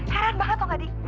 heran banget tau gak di